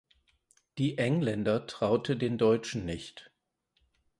Die Engländer traute den Deutschen nicht.